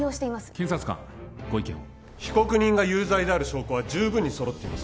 検察官ご意見を被告人が有罪である証拠は十分に揃っています